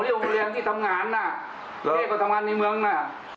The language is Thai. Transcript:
เรียกว่าเรียงที่ทำงานนะเท่ากว่าทำงานในเมืองนะ